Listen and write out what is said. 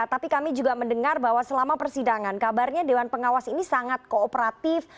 tapi kami juga mendengar bahwa selama persidangan kabarnya dewan pengawas ini sangat kooperatif